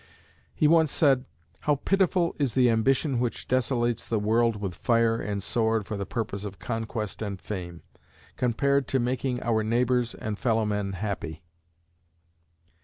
He once said, "How pitiful is the ambition which desolates the world with fire and sword for the purpose of conquest and fame, compared to making our neighbors and fellowmen happy!"